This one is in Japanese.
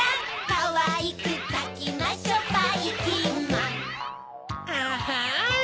かわいくかきましょばいきんまんアハン！